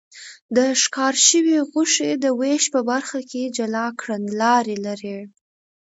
د ښکار شوې غوښې د وېش په برخه کې جلا کړنلارې لري.